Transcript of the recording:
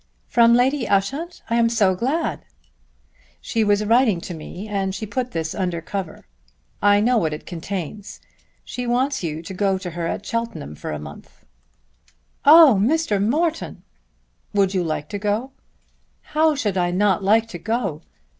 "From Lady Ushant? I am so glad." "She was writing to me and she put this under cover. I know what it contains. She wants you to go to her at Cheltenham for a month." "Oh, Mr. Morton!" "Would you like to go?" "How should I not like to go?